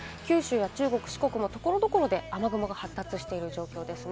中国、九州も所々で雨雲が発達している状況です。